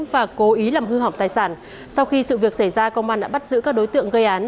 và cố ý làm hư hỏng tài sản sau khi sự việc xảy ra công an đã bắt giữ các đối tượng gây án